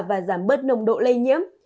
và giảm bớt nồng độ lây nhiễm